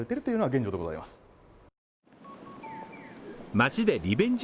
街でリベンジ